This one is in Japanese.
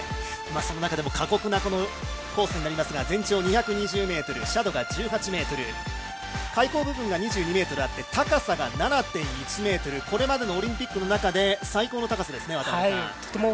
その中でも過酷なコースになりますが、全長２２０ｍ、開口部分が２２ｍあって高さが７．１ｍこれまでのオリンピックの中で最高の高さですね。